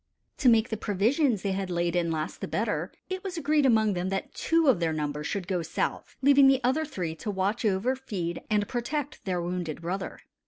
To make the provisions they had laid in last the better, it was agreed among them that two of their number should go south, leaving the other three to watch over, feed, and protect their wounded brother.